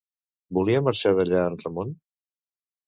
Volia marxar d'allà en Ramon?